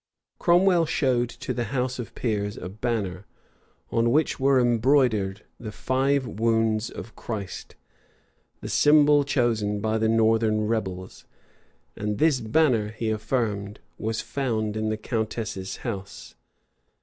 * Coke's 4th Inst. p. 37, 38. Cromwell showed to the house of peers a banner, on which were embroidered the five wounds of Christ, the symbol chosen by the northern rebels; and this banner he affirmed, was found in the countess's house.